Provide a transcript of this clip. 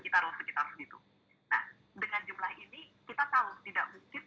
dengan jumlah ini kita tahu tidak mungkin